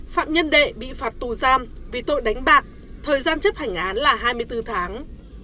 phạm nhân đệ bị phạt tù giam vì tội đánh bạc thời gian chấp hành án là hai mươi bốn tháng